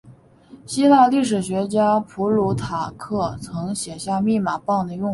希腊历史学家普鲁塔克曾写下密码棒的用法。